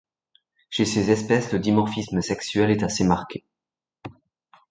Chez ces espèces, le dimorphisme sexuel est assez marqué.